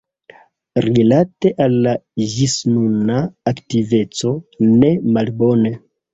Rilate al la ĝisnuna aktiveco, ne malbone.